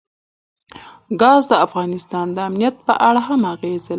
ګاز د افغانستان د امنیت په اړه هم اغېز لري.